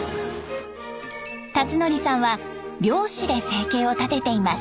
辰徳さんは漁師で生計を立てています。